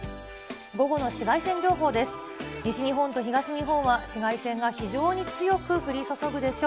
午後の紫外線情報です。